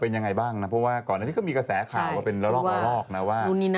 เป็นยังไงบ้างนะเพราะว่าก่อนนั้นก็มีกระแสขาว